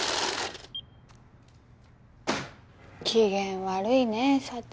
機嫌悪いね社長。